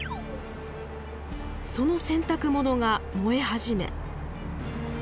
その洗濯物が燃え始め。